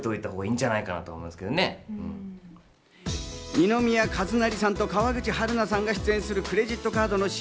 二宮和也さんと川口春奈さんが出演するクレジットカードの新